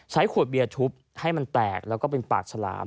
ใช้ขวดเบียร์ทุบให้มันแตกแล้วก็เป็นปากฉลาม